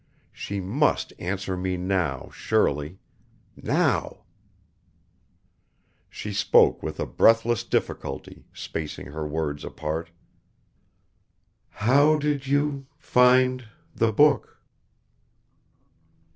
She must answer me now, surely! Now She spoke with a breathless difficulty, spacing her words apart: "How did you find the book?"